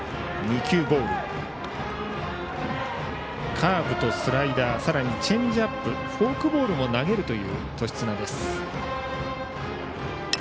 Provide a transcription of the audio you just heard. カーブとスライダーさらにチェンジアップフォークボールも投げるという年綱です。